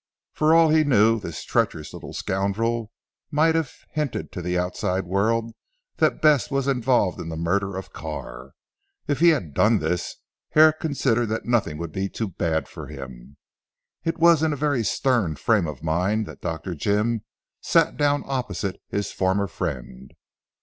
For all he knew this treacherous little scoundrel might have hinted to the outside world that Bess was involved in the murder of Carr. If he had done this, Herrick considered that nothing would be too bad for him. It was in a very stern frame of mind that Dr. Jim sat down opposite his former friend.